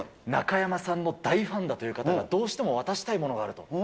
中山さんの大ファンだという方が、どうしても渡したいものがあると。